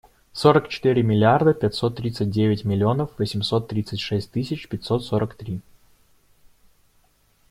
Сорок четыре миллиарда пятьсот тридцать девять миллионов восемьсот тридцать шесть тысяч пятьсот сорок три.